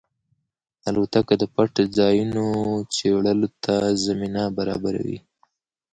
الوتکه د پټ ځایونو څېړلو ته زمینه برابروي.